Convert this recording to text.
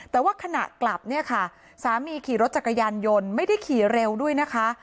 แต่ว่าขณะกลับเนี่ยค่ะสามีขี่รถจักรยานยนต์ไม่ได้ขี่เร็วด้วยนะคะ